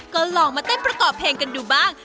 ก็ลองมาเต้นประกอบเพลงกันดูบ้าง